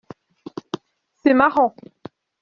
C’est marrant.